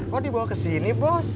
kok dibawa ke sini bos